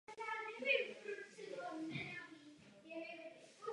Součástí prohlídky je plavba po podzemní říčce Styx.